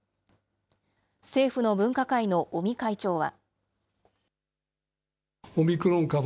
政府の分科会の尾身会長は。